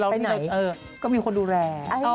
ไปไหนก็มีคนดูแล